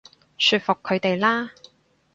說服佢哋啦